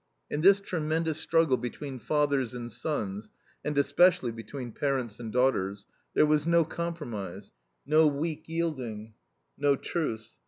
In this tremendous struggle between fathers and sons and especially between parents and daughters there was no compromise, no weak yielding, no truce.